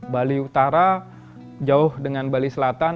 bali utara jauh dengan bali selatan